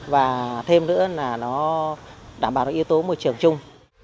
và thêm nữa là nó đảm bảo được yếu tố môi trường chung